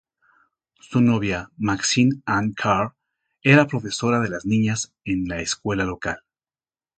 Su novia, Maxine Ann Carr, era profesora de las niñas en la escuela local.